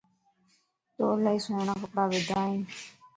تو الائي سھڻا ڪپڙا ودا ائين